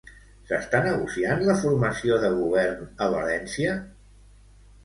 S'està negociant la formació de govern a València?